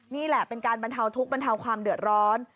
นี่แหละเป็นการบรรเทาทุกข์บรรเทาความเดือดร้อน